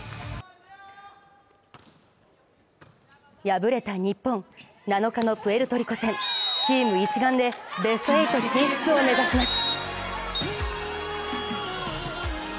敗れた日本、７日のプエルトリコ戦チーム一丸となってベスト８進出を目指します。